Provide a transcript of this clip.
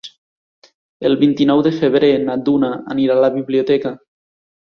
El vint-i-nou de febrer na Duna anirà a la biblioteca.